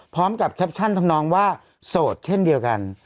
พร้อมกับแคปชั่นทำน้องว่าโสดเช่นเดียวกัน